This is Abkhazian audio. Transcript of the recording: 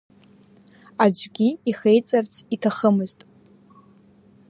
Аӡәгьы ихеиҵарц иҭахымызт.